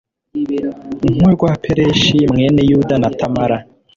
nk'urwa pereshi mwene yuda na tamara